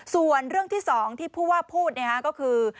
ส่วนเรื่องที่๒ที่ผู้ว่าพูดก็คือ